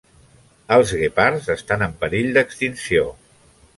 Els guepards estan en perill d"extinció.